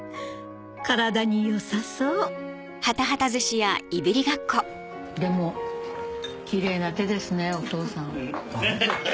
体に良さそうでもキレイな手ですねお父さん。